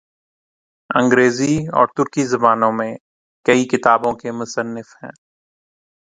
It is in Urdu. انگریزی اور ترکی زبانوں میں کئی کتابوں کے مصنف ہیں۔